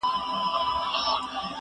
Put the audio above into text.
زه هره ورځ کتاب وليکم!!